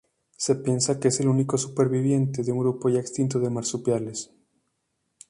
Se piensa que es el único superviviente de un grupo ya extinto de marsupiales.